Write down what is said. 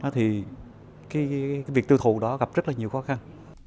thì cái việc tiêu thụ đó gặp rất là nhiều khó khăn